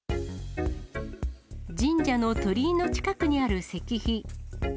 神社の鳥居の近くにある石碑。